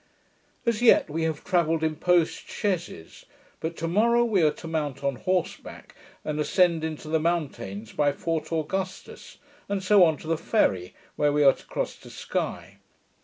As yet we have travelled in postchaises; but to morrow we are to mount on horseback, and ascend into the mountains by Fort Augustus, and so on to the ferry, where we are to cross to Sky.